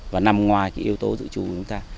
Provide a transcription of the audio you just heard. và nằm ngoài cái yếu tố dự trù của chúng ta